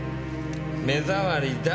目障りだ。